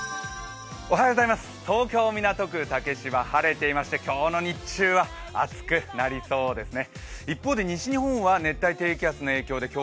東京・港区竹芝、今日は晴れていまして今日の日中は暑くなりそうですね。